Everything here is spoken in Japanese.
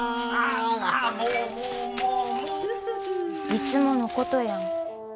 いつものことやん。